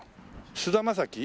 菅田将暉？